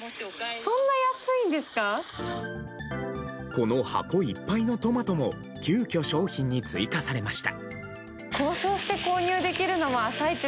この箱いっぱいのトマトも急きょ、商品に追加されました。